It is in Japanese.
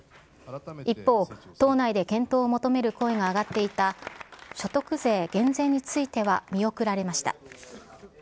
一方、党内で検討を求める声が上がっていた所得税減税については見送られました。